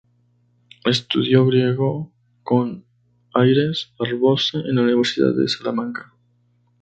Estudió griego con Ayres Barbosa en la Universidad de Salamanca.